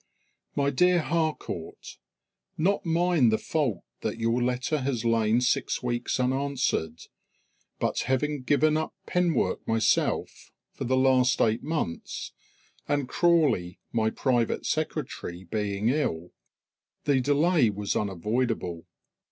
My dear Harcourt, Not mine the fault that your letter has lain six weeks unanswered; but having given up penwork myself for the last eight months, and Crawley, my private sec., being ill, the delay was unavoidable.